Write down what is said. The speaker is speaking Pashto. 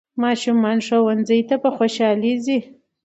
ماشومان ښوونځي ته په خوشحالۍ ځي